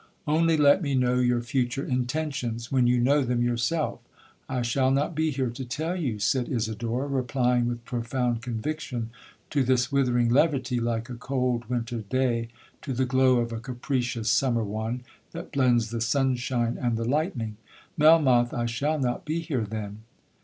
Only let me know your future intentions,—when you know them yourself.'—'I shall not be here to tell you,' said Isidora, replying with profound conviction to this withering levity, like a cold winter day to the glow of a capricious summer one, that blends the sunshine and the lightning;—'Melmoth, I shall not be here then!'